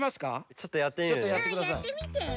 ちょっとやってみるね。